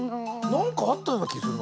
なんかあったようなきするな。